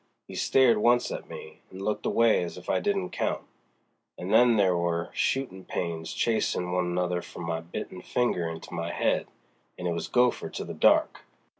'E stared once at me, and looked away as if I didn't count; an' then there were shootin' pains chasm' one another from my bitten finger into my head, and it was Gopher to the dark.